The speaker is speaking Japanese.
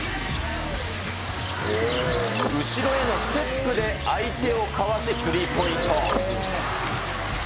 後ろへのステップで相手をかわし、スリーポイント。